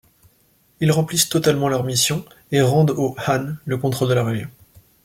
Ils remplissent totalement leur mission et rendent aux han le contrôle de la région.